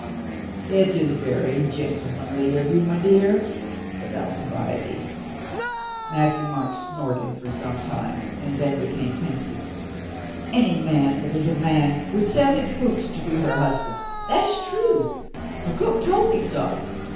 "It is very gentlemanly of you, my dear," said Alcibiade. Matthieu Marc snorted for some time and then became pensive. "Any man that is a man would sell his boots to be her husband. That is true. The cook told me so.